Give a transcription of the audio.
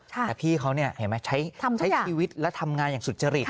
แต่พี่เขาใช้ชีวิตและทำงานอย่างสุจริต